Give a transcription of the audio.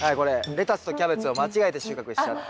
レタスとキャベツを間違えて収穫しちゃって。